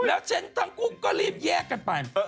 แล้วฉันทั้งคู่ก็รีบแยกกันไป